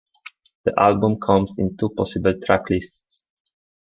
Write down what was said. The album comes in two possible track lists.